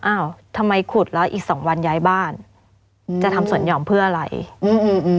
อ้าวทำไมขุดแล้วอีกสองวันย้ายบ้านอืมจะทำสวนหย่อมเพื่ออะไรอืม